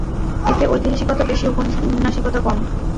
এতে ঐতিহাসিকতা বেশী, ঔপন্যাসিকতা কম।